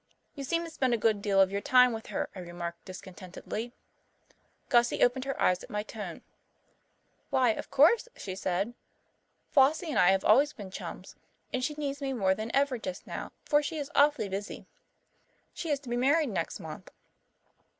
"You seem to spend a good deal of your time with her," I remarked discontentedly. Gussie opened her eyes at my tone. "Why, of course," she said. "Flossie and I have always been chums. And she needs me more than ever just now, for she is awfully busy. She is to be married next month."